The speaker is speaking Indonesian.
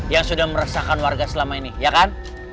yang sudah meresahkan warga selama ini ya kan